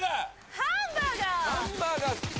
ハンバーガー！